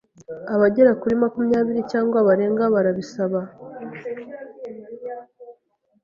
’abagera kuri makumyabiri cyangwa barenga barabisaba,